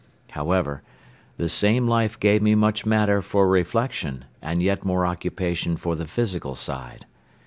However, the same life gave me much matter for reflection and yet more occupation for the physical side.